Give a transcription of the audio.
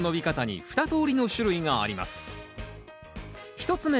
１つ目